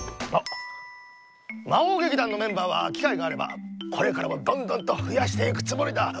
あっ魔王げきだんのメンバーはきかいがあればこれからもどんどんとふやしていくつもりだ。